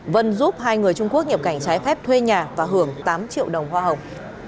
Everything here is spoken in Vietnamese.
vân giúp hai người trung quốc nhập cảnh trái phép thuê nhà và hưởng tám triệu đồng hoa hồng